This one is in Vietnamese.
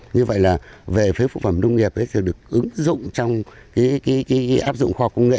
như vậy là về phế phụ phẩm nông nghiệp thì được ứng dụng trong cái áp dụng kho công nghệ